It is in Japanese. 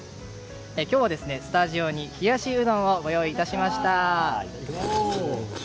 今日はスタジオに冷やしうどんをご用意いたしました。